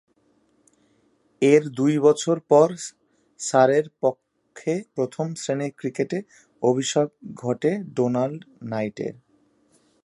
এর দুই বছর পর সারের পক্ষে প্রথম-শ্রেণীর ক্রিকেটে অভিষেক ঘটে ডোনাল্ড নাইটের।